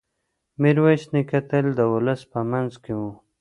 میرویس نیکه تل د ولس په منځ کې و.